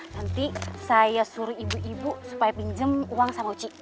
nanti saya suruh ibu ibu supaya pinjam uang sama cik